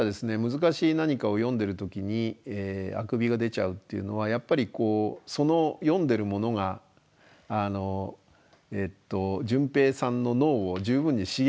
難しい何かを読んでる時にあくびが出ちゃうっていうのはやっぱりその読んでるものがジュンペイさんの脳を十分に刺激してないからだと思いますね。